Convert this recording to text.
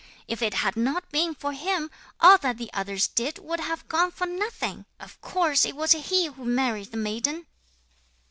If it had not been for him, all that the others did would have gone for nothing! Of course it was he who married the maiden!'